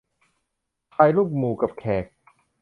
ถ่ายรูปหมู่กับแขก